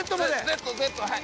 ＺＺはい。